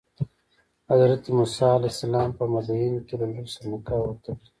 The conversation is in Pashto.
حضرت موسی علیه السلام په مدین کې له لور سره نکاح وتړي.